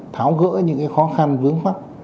tháo gỡ những khó khăn vướng mắt